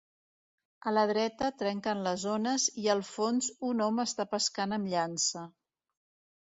A la dreta trenquen les ones i al fons un home està pescant amb llança.